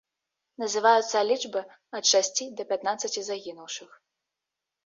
Называюцца лічбы ад шасці да пятнаццаці загінуўшых.